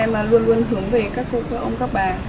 nó là để chúng em luôn luôn hướng về các cụ của ông các bà